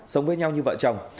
sống với nhau như vợ chồng